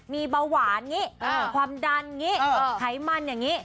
มีเบาหวานความดันไอมันอย่างนี้